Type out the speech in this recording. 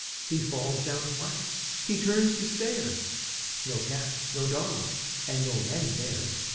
He falls down flat. H)e turns to stare — No cats, no dogs, and no men there.